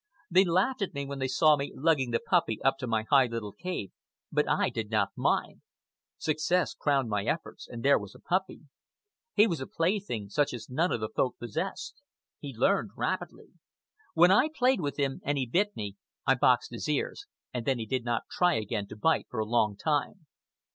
They laughed at me when they saw me lugging the puppy up to my high little cave, but I did not mind. Success crowned my efforts, and there was the puppy. He was a plaything such as none of the Folk possessed. He learned rapidly. When I played with him and he bit me, I boxed his ears, and then he did not try again to bite for a long time.